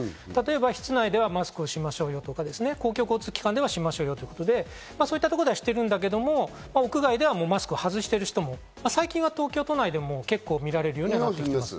室内ではマスクをしましょうねとか、公共交通機関ではしましょうよということで、そういうところではしてるけど屋外ではマスクを外してる人も最近は東京都内でも結構見られるようになってます。